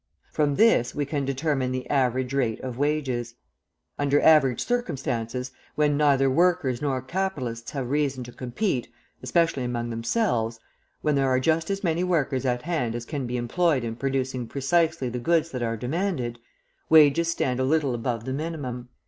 From this we can determine the average rate of wages. Under average circumstances, when neither workers nor capitalists have reason to compete, especially among themselves, when there are just as many workers at hand as can be employed in producing precisely the goods that are demanded, wages stand a little above the minimum.